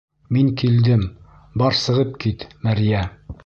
Мин килдем, бар сығып кит, мәрйә!